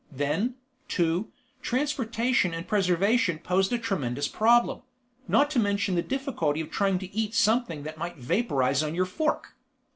Then, too, transportation and preservation posed a tremendous problem, not to mention the difficulty of trying to eat something that might vaporize on your fork.